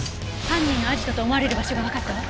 犯人のアジトと思われる場所がわかったわ。